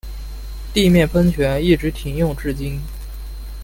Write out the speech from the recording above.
地面喷泉一直停用至今。